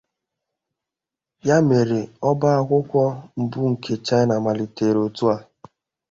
Ya mere, ọbá akwụkwọ mbụ nke China malitere otua.